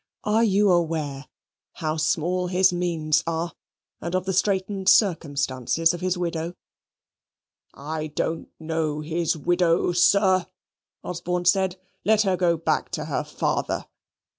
Are you aware how small his means are, and of the straitened circumstances of his widow?" "I don't know his widow, sir," Osborne said. "Let her go back to her father."